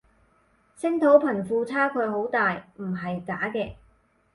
星島貧富差距好大唔係假嘅